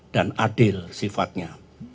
dan adil sifatnya